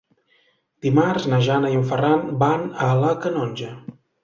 Dimarts na Jana i en Ferran van a la Canonja.